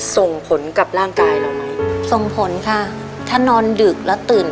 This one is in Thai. ส่งผลกับร่างกายเราไหมส่งผลค่ะถ้านอนดึกแล้วตื่น